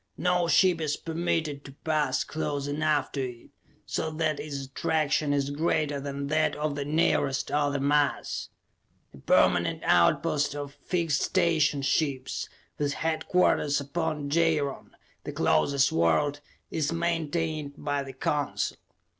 No ship is permitted to pass close enough to it so that its attraction is greater than that of the nearest other mass. A permanent outpost of fixed station ships, with headquarters upon Jaron, the closest world, is maintained by the Council.